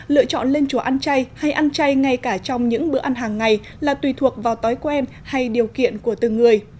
lựa chọn lên chùa ăn chay hay ăn chay ngay cả trong những bữa ăn hàng ngày là tùy thuộc vào thói quen hay điều kiện của từng người